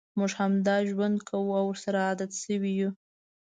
موږ همداسې ژوند کوو او ورسره عادت شوي یوو.